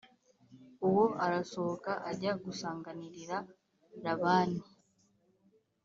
uwo arasohoka ajya gusanganirira labani